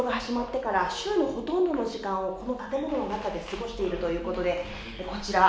戦争が始まってから週のほとんどの時間をこの建物の中で過ごしているということでこちら。